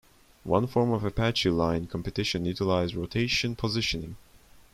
One form of Apache line competition utilized rotation positioning.